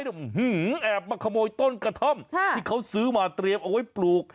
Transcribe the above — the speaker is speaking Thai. แอบมาขโมยต้นกระท่อมที่เขาซื้อมาเตรียมเอาไว้ปลูก